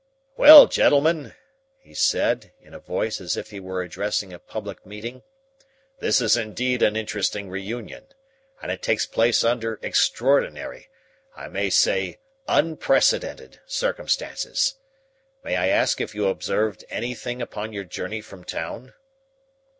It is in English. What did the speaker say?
"Well, gentlemen," he said, in a voice as if he was addressing a public meeting, "this is indeed an interesting reunion, and it takes place under extraordinary I may say unprecedented circumstances. May I ask if you have observed anything upon your journey from town?"